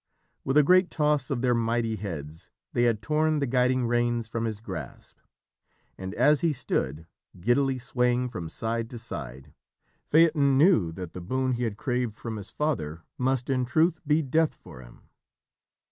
With a great toss of their mighty heads they had torn the guiding reins from his grasp, and as he stood, giddily swaying from side to side, Phaeton knew that the boon he had craved from his father must in truth be death for him.